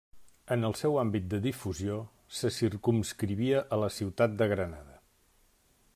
El seu àmbit de difusió se circumscrivia a la ciutat de Granada.